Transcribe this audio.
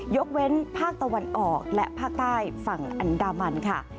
ยกเว้นภาคตะวันออกและภาคใต้ฝั่งอันดามันค่ะ